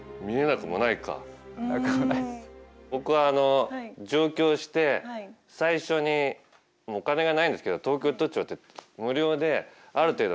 僕はあの上京して最初にお金がないんですけど東京都庁って無料である程度の階数まで上れるんですよ。